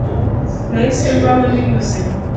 Nahise mva aho ndi muzima.